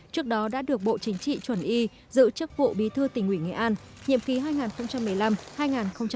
trước đó đã được bộ chính trị chuẩn y giữ chức vụ bí thư tỉnh ủy nghệ an nhiệm ký hai nghìn một mươi năm hai nghìn hai mươi